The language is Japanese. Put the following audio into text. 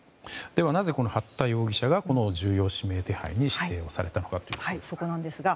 なぜ、八田容疑者が重要指名手配に指定されたのかということですが。